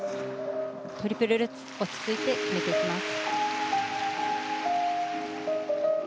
トリプルルッツ落ち着いて決めていきます。